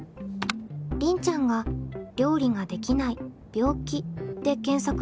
りんちゃんが「料理ができない病気」で検索したところ。